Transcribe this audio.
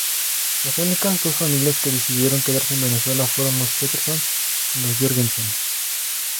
Las únicas dos familias que decidieron quedarse en Venezuela fueron los Petersen y Jørgensen.